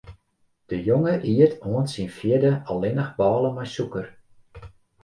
De jonge iet oant syn fjirde allinnich bôle mei sûker.